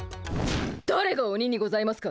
だれがオニにございますか。